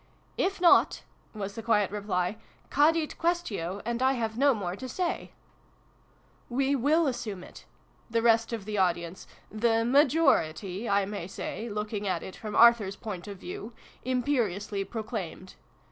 "If not," was the quiet reply, " cadit quaestio : and I have no more to say." vin] IN A SHADY PLACE. 123 "We will assume it!" the rest of the audience the majority, I may say, looking at it from Arthur's point of view imperiously proclaimed.